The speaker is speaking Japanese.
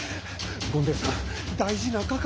権太夫さん大事なかか。